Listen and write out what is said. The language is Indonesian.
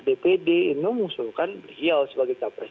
dpd itu yang mau disuruhkan beliau sebagai capres